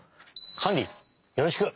カンリよろしく！